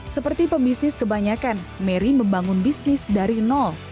seperti pebisnis kebanyakan mary membangun bisnis dari nol